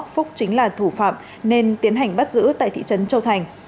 phúc chính là thủ phạm nên tiến hành bắt giữ tại thị trấn châu thành